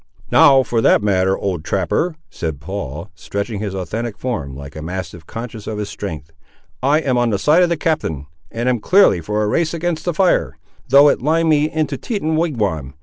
"Now for that matter, old trapper," said Paul, stretching his athletic form like a mastiff conscious of his strength, "I am on the side of the captain, and am clearly for a race against the fire, though it line me into a Teton wigwam.